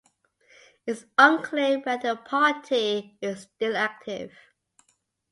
Its unclear whether the party is still active.